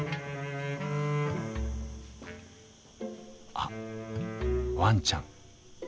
あっワンちゃん。